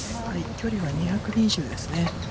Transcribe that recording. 距離は２２０ですね。